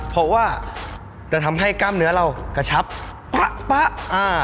เพราะว่าจะทำให้กล้ามเนื้อเรากระชับปะป๊ะอ่า